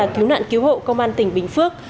thứ nạn cứu hộ công an tỉnh bình phước